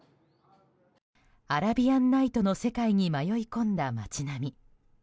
アラビアンナイトの世界に迷い込んだ街並み。